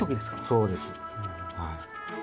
そうですはい。